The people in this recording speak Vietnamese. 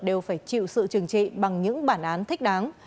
đều phải chịu sự trừng trị bằng những bản án thích đáng